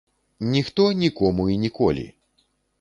Ніхто, нікому і ніколі.